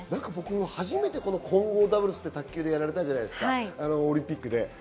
初めて混合ダブルスってやったじゃないですか、オリンピックで。